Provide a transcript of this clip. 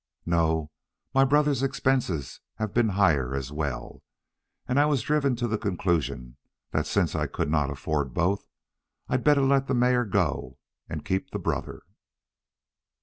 "No. My brother's expenses have been higher, as well, and I was driven to the conclusion that since I could not afford both, I'd better let the mare go and keep the brother."